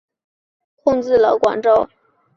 张黄二人之部队趁机控制了广州。